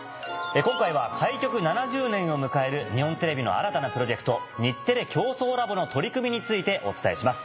今回は開局７０年を迎える日本テレビの新たなプロジェクト「日テレ共創ラボ」の取り組みについてお伝えします。